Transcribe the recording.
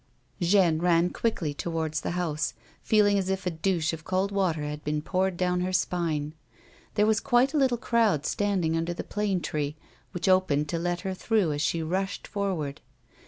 Jeanne ran quickly towards the house, feeling as if a douche of cold water had been poured down her spine. There was quite a little crowd standing under the plane tree, which opened to let her through as she rushed forward.